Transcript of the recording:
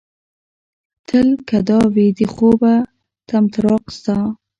تل که دا وي د خوبيه طمطراق ستا